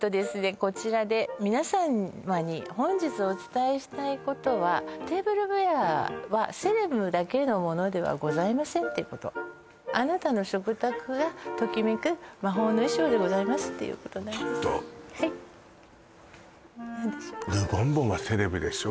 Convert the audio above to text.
こちらで皆様に本日お伝えしたいことはテーブルウェアはセレブだけのものではございませんっていうことあなたの食卓がときめく魔法の衣装でございますっていうことなんですちょっとはい何でしょう？